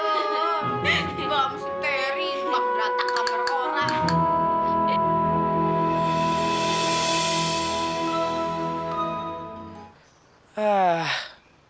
gak usah teri mah berantem sama orang